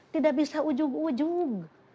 tidak bisa ujung ujung